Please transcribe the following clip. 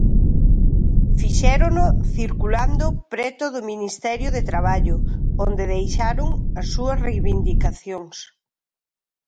Fixérono circulando preto do Ministerio de Traballo, onde deixaron as súas reivindicacións.